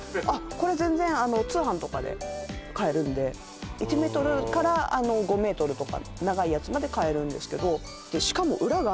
あっこれ全然通販とかで買えるんで１ｍから５ｍとか長いやつまで買えるんですけど